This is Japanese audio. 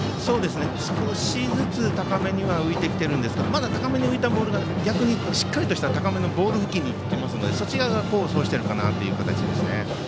少しずつ高めには浮いてきているんですがまだ高めに浮いたボールが逆にしっかりとした、高めのボール付近にいってますのでそれが功を奏しているのかなという感じですね。